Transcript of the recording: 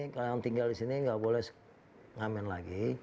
kalau yang tinggal di sini nggak boleh ngamen lagi